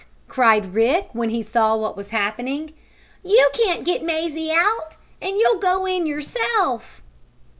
cried Rick, when he saw what was happening. "You can't get Mazie out, and you'll go in yourself."